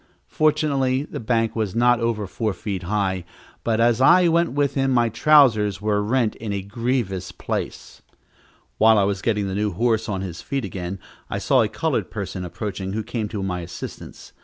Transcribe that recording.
Fortunately the bank was not over four feet high, but as I went with him, my trousers were rent in a grievous place. While I was getting the new horse on his feet again, I saw a colored person approaching, who came to my assistance.